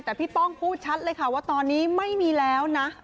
แต่พี่ป้องพูดชัดเลยค่ะว่าตอนนี้ไม่มีแล้วนะ